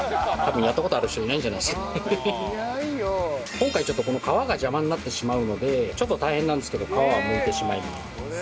今回ちょっとこの皮が邪魔になってしまうのでちょっと大変なんですけど皮はむいてしまいます。